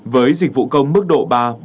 với dịch vụ công mức độ ba bốn